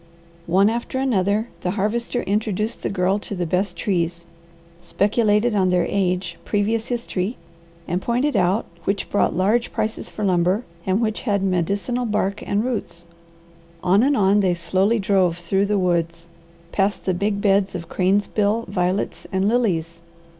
One after another the Harvester introduced the Girl to the best trees, speculated on their age, previous history, and pointed out which brought large prices for lumber and which had medicinal bark and roots. On and on they slowly drove through the woods, past the big beds of cranesbill, violets, and lilies.